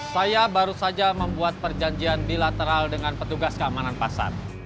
saya baru saja membuat perjanjian bilateral dengan petugas keamanan pasar